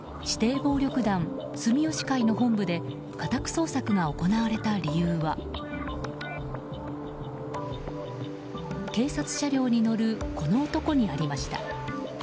指定暴力団住吉会の本部で家宅捜索が行われた理由は警察車両に乗るこの男にありました。